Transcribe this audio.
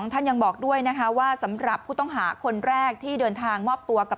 ท่านยังบอกด้วยว่าสำหรับผู้ผู้ต้องหาคนแรก